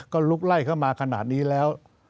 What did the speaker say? ก็ลุกไล่เข้ามาขนาดนี้แล้ว